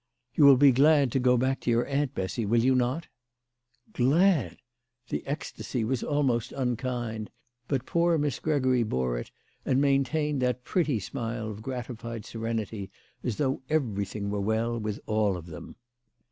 " You will be glad to go back to your aunt, Bessy ; will you not ?"" Glad !" The ecstacy was almost unkind, but poor Miss Gregory bore it, and maintained that pretty smile of gratified serenity as though everything were well with all of them.